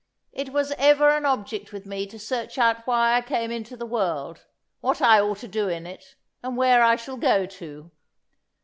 "It was ever an object with me to search out why I came into the world, what I ought to do in it, and where I shall go to.